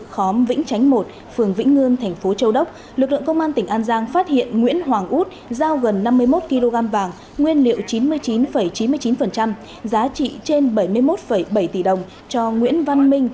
xin chào và hẹn gặp lại